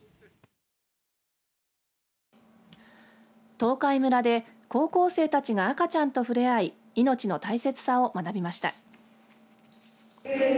東海村で高校生たちが赤ちゃんとふれあい命の大切さを学びました。